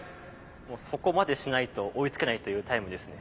そこまでしないと追いつけないというタイムですね。